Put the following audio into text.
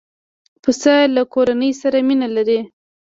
پسه له کورنۍ سره مینه لري.